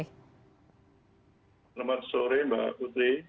selamat sore mbak putri